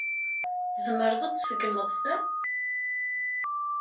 Tzemreḍ ad tseggmeḍ ta?